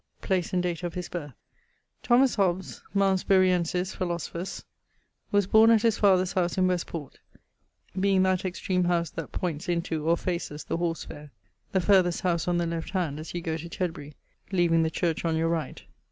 <_Place and date of his birth._> Thomas Hobbes, Malmesburiensis, Philosophus, was borne at his father's house in Westport, being that extreme howse that pointes into, or faces, the Horse fayre; the farthest howse on the left hand as you goe to Tedbury, leaving the church on your right.